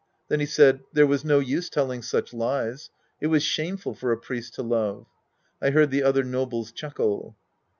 Then he said there was no use telling such lies. It was shameful for a priest to love. I heard the other nobles chuckle.